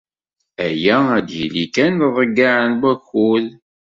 Aya ad yili kan d aḍeyyeɛ n wakud.